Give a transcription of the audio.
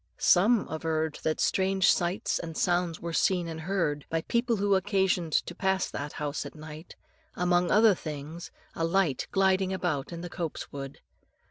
Some averred that strange sights and sounds were seen and heard by people who had occasion to pass that house at night, among other things a light gliding about in the copse wood.